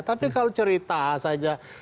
tapi kalau cerita saja